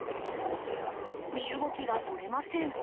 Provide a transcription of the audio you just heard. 身動きが取れません。